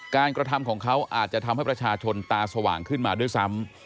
กระทำของเขาอาจจะทำให้ประชาชนตาสว่างขึ้นมาด้วยซ้ำ